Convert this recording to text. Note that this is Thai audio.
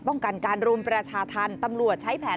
ป้องกันการรวมประชากรถันตำรวจ